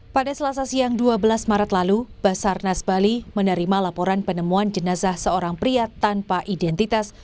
pada selasa siang dua belas maret lalu basarnas bali menerima laporan penemuan jenazah seorang pria tanpa identitas